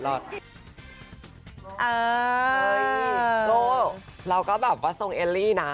โก้เราก็แบบว่าส่งแอลลี่นะ